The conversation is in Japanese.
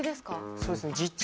そうですね。